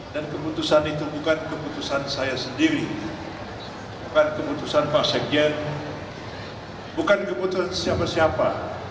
dan keputusan itu bukan keputusan saya sendiri bukan keputusan pak sekjen bukan keputusan siapa siapa